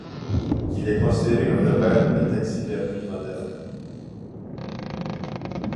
Il est considéré comme le père de la taxidermie moderne.